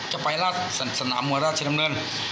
จะไปสนามมวยราชดำเนิน